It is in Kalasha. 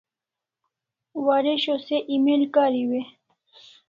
Waresho se email kariu e?